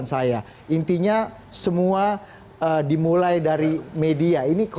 ya dari situ dimulai sebetulnya